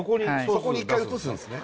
そこに一回移すんですね